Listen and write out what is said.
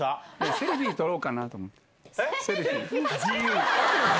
セルフィー撮ろうかなと思っえっ？